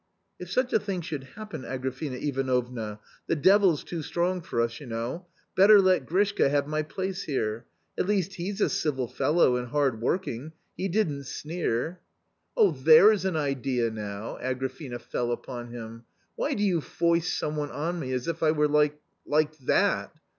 " If such a thing should happen, Agrafena Ivanovna — the devil's too strong for us, you know — better let Grishka have my place here ; at least he's a civil fellow and hard working; he didn't sneer " A COMMON STORY 5 " There's an idea now !" Agrafena fell upon him. " Why do you foist some one on me, as if I were like — like that